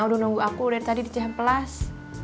udah nunggu aku dari tadi di caham pelas